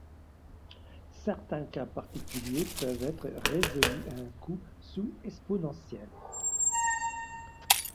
Certains cas particuliers peuvent être résolus à un coût sous-exponentiel.